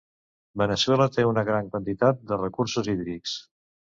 Veneçuela té una gran quantitat de recursos hídrics.